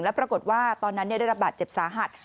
แล้วปรากฏว่าตอนนั้นได้รับบาดเจ็บสาหัส